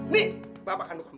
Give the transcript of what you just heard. nih bapak kandung kamu